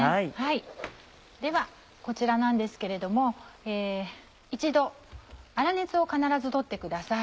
ではこちらなんですけれども一度粗熱を必ず取ってください。